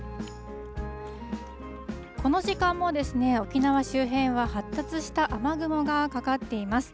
この時間も沖縄周辺は発達した雨雲がかかっています。